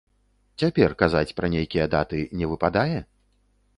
Цяпер казаць пра нейкія даты не выпадае?